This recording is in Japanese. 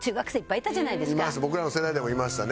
僕らの世代でもいましたね。